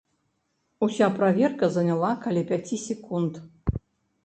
Уся праверка занялі каля пяці секунд.